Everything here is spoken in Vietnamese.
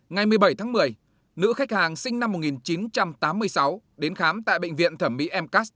ngày một mươi bảy tháng một mươi nữ khách hàng sinh năm một nghìn chín trăm tám mươi sáu đến khám tại bệnh viện thẩm mỹ mcas